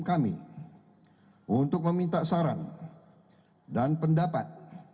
kami untuk meminta saran dan pendapat